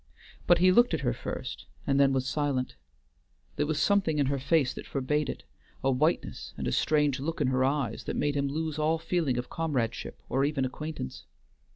But he looked at her first and then was silent. There was something in her face that forbade it, a whiteness and a strange look in her eyes, that made him lose all feeling of comradeship or even acquaintance.